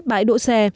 bãi đỗ xe